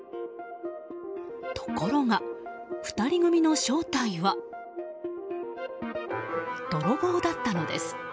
ところが、２人組の正体は泥棒だったのです。